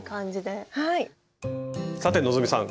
さて希さん